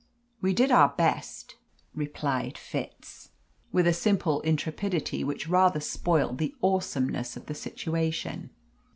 "We did our best," replied Fitz, with a simple intrepidity which rather spoilt the awesomeness of the situation.